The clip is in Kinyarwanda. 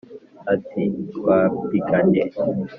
Ati: “Rwampingane!”